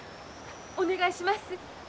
お願いします。